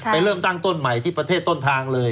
เริ่มตั้งต้นใหม่ที่ประเทศต้นทางเลย